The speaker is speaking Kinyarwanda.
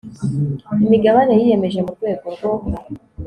imigabane yiyemeje mu rwego rwo